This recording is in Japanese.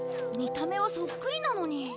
見た目はそっくりなのに。